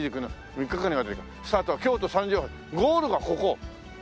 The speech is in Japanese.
「スタートは京都・三条大橋ゴールはここ」